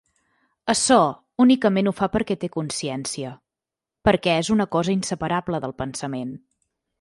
Açò únicament ho fa perquè té consciència, perquè és una cosa inseparable del pensament.